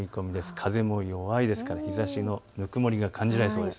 風も弱いですから日ざしのぬくもりが感じられそうです。